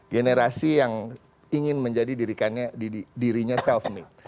generasi yang ingin menjadi dirinya self meet